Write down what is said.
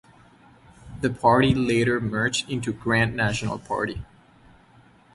The party later merged into Grand National Party.